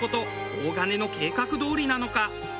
大金の計画どおりなのか？